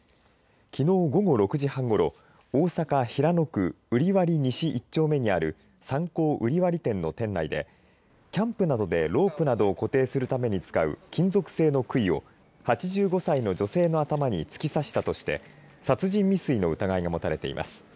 きのう午後６時半ごろ大阪・平野区瓜破西１丁目にあるサンコー瓜破店の店内でキャンプなどでロープなどを固定するために使う金属製のくいを８５歳の女性の頭に突き刺したとして殺人未遂の疑いが持たれています。